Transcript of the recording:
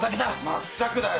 まったくだよ！